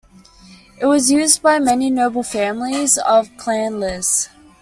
It was used by many noble families of Clan Lis.